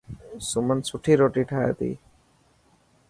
سمن روٽي سٺي ٺاهي تي.